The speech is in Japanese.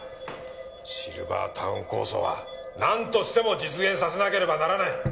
シルバータウン構想はなんとしても実現させなければならない！